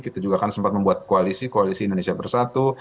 kita juga kan sempat membuat koalisi koalisi indonesia bersatu